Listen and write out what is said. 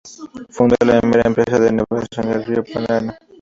Fundó la primera empresa de navegación del río Paraná.